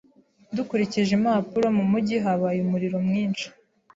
Dukurikije impapuro, mu mujyi habaye umuriro mwinshi.